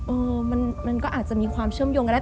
เออมันก็อาจจะมีความเชื่อมโยงกันได้